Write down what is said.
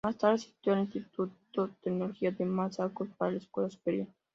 Más tarde, asistió al Instituto de Tecnología de Massachusetts para la escuela superior.